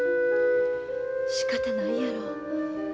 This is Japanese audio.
しかたないやろ。